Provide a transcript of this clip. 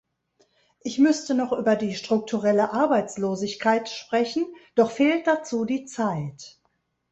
Ich müsste noch über die strukturelle Arbeitslosigkeit sprechen, doch fehlt dazu die Zeit.